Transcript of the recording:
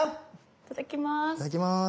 いただきます。